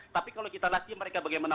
tapi kalau kita lihat mereka bagaimana